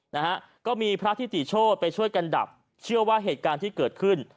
นะฮะก็มีพระทิติโชธไปช่วยกันดับเชื่อว่าเหตุการณ์ที่เกิดขึ้น